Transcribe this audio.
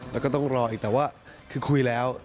แล้วก็ต้องรออีกแต่ว่าคือคุยแล้ว